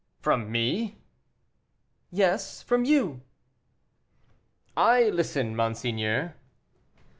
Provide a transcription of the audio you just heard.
"From me?" "Yes, from you." "I listen, monseigneur."